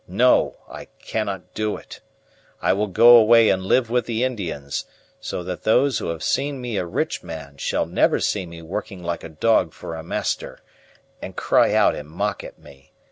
No, I cannot do it! I will go away and live with the Indians, so that those who have seen me a rich man shall never see me working like a dog for a master, and cry out and mock at me.